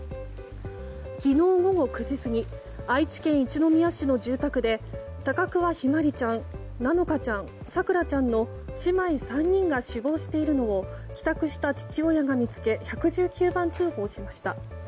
昨日午後９時過ぎ愛知県一宮市の住宅で高桑姫茉梨ちゃん菜乃華ちゃん、咲桜ちゃんの姉妹３人が死亡しているのを帰宅した父親が見つけ１１９番通報しました。